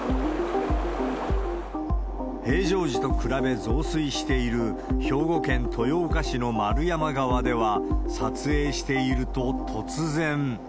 平常時と比べ増水している、兵庫県豊岡市の円山川では、撮影していると、突然。